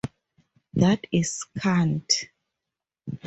That is cant.